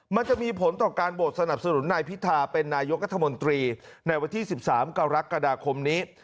มันจะมีผลต่อการโหวตสนับสนุนนายพิธาเป็นนายกรัฐมนตรีในวันที่๑๓กรกฎาคมนี้